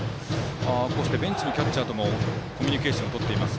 ベンチのキャッチャーともコミュニケーションをとっています。